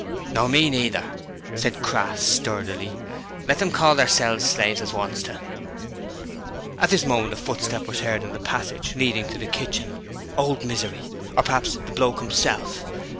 'Nor me neither,' said Crass sturdily. 'Let them call their selves slaves as wants to.' At this moment a footstep was heard in the passage leading to the kitchen. Old Misery! or perhaps the bloke himself!